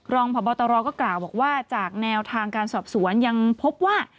รองพบตรก็กล่าวบอกว่าจากแนวทางการสอบสวนยังพบว่า